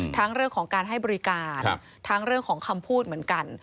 เรื่องของการให้บริการทั้งเรื่องของคำพูดเหมือนกัน